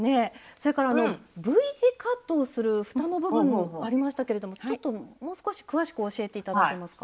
それからＶ字カットをするふたの部分もありましたけれどもちょっともう少し詳しく教えて頂けますか？